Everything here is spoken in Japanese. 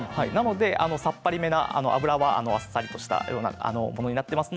さっぱりめな脂はあっさりしたところになっています。